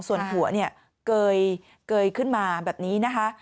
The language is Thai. ส่วนหัวเนี่ยเกยขึ้นมาแบบนี้นะคะ